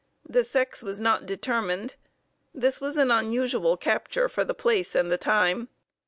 The sex was not determined. This was an unusual capture for the place and the time.